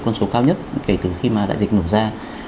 con số cao nhất kể từ khi mà đại dịch nổ ra